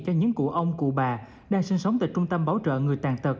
cho những cụ ông cụ bà đang sinh sống tại trung tâm bảo trợ người tàn tật